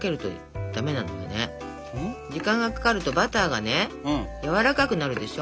時間がかかるとバターがねやわらかくなるでしょ。